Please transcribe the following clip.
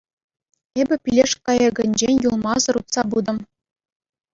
Эпӗ пилеш кайӑкӗнчен юлмасӑр утса пытӑм.